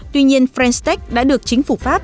tuy nhiên french tech đã được chính phủ pháp